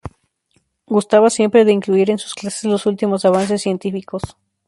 Gustaba siempre de incluir en sus clases los últimos avances científicos.